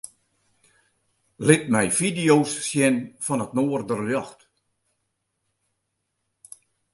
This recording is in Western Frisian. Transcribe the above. Lit my fideo's sjen fan it noarderljocht.